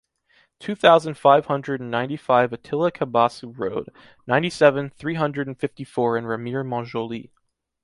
two thousand five hundred and ninety-five Attila Cabassou road, ninety-seven, three hundred and fifty-four in Remire-Montjoly